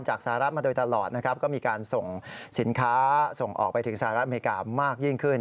สหรัฐมาโดยตลอดนะครับก็มีการส่งสินค้าส่งออกไปถึงสหรัฐอเมริกามากยิ่งขึ้น